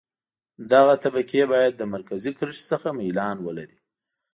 دغه طبقه باید له مرکزي کرښې څخه میلان ولري